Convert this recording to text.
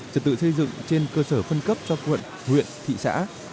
trật tự xây dựng trên cơ sở phân cấp cho quận huyện thị xã